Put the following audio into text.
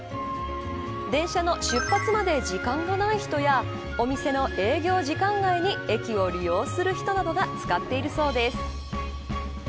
電車の出発まで時間がない人やお店の営業時間外に駅を利用する人などが使っているそうです。